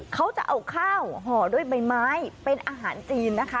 เขาจะเอาข้าวห่อด้วยใบไม้เป็นอาหารจีนนะคะ